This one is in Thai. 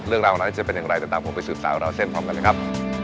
เรื่องร้านของร้านนี้จะเป็นอย่างไรจะตามผมไปสื่อสารกับเราเส้นพร้อมกันเลยครับ